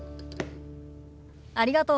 ありがとう。